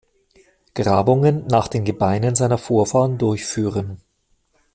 Grabungen nach den Gebeinen seiner Vorfahren durchführen.